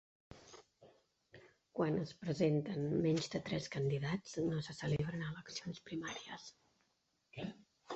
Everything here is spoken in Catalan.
Quan es presenten menys de tres candidats, no se celebren eleccions primàries.